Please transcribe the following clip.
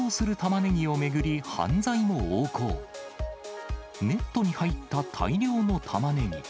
ネットに入った大量のタマネギ。